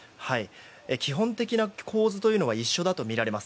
基本的な構図というのは一緒だとみられます。